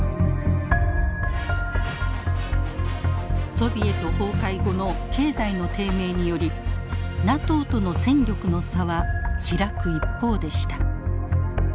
ソビエト崩壊後の経済の低迷によりＮＡＴＯとの戦力の差は開く一方でした。